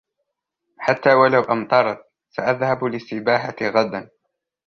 حتى و لو أمطرت ، سأذهب للسباحة غدا.